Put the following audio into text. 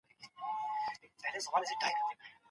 افغانستان ډیر طبیعي سرچینې لري.